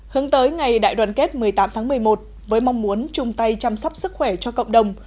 hướng tới ngày đại đoàn kết một mươi tám tháng một mươi một với mong muốn chung tay chăm sóc sức khỏe cho cộng đồng